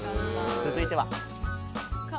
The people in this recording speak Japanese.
続いては。